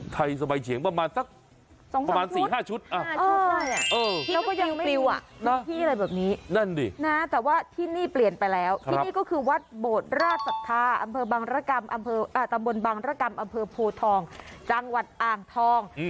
ที่อะไรแบบนี้แต่ว่าที่นี่เปลี่ยนไปแล้วที่นี่ก็คือวัดโบราชศรัทธาอำเภอบังรกรรมอำเภอตำบลบังรกรรมอำเภอโพธองจังหวัดอ่างทอง